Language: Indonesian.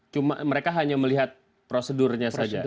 cuma mereka hanya melihat prosedurnya saja